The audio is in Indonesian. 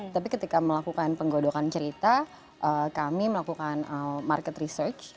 tapi ketika melakukan penggodokan cerita kami melakukan market research